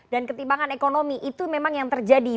dan ketimbangan ekonomi itu memang yang terjadi